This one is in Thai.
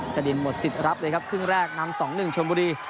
จรินหมดสิทธิ์รับเลยครับครึ่งแรกนำ๒๑ชนบุรี